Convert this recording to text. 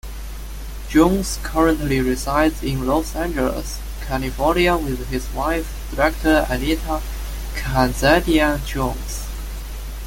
Jones currently resides in Los Angeles, California with his wife, director Anita Khanzadian-Jones.